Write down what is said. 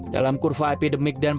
dalam kurva epidemik dan